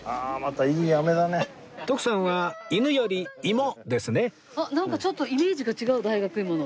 徳さんは犬より芋ですねなんかちょっとイメージが違う大学芋の。